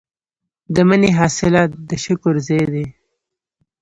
د مني حاصلات د شکر ځای دی.